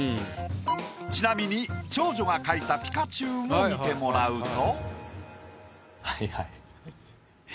ちなみに長女が描いたピカチュウも見てもらうと。